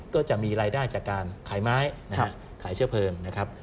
ก็จะมีรายได้จากการขายไม้นะครับขายเชื้อเพลิงนะครับ